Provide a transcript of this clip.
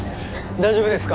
大丈夫ですか？